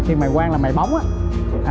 khi mài quang là mài bóng á